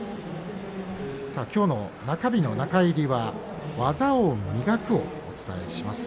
きょうの中日の中入りは「技を磨く」をお伝えします。